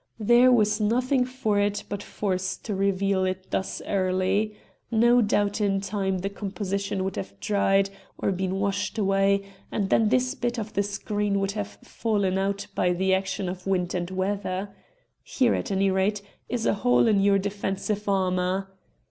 There was nothing for it but force to reveal it thus early. No doubt in time the composition would have dried, or been washed away, and then this bit of the screen would have fallen out by the action of wind and weather. Here, at any rate, is a hole in your defensive armour."